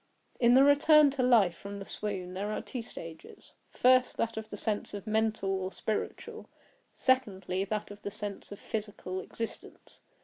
In the return to life from the swoon there are two stages; first, that of the sense of mental or spiritual; secondly, that of the sense of physical, existence.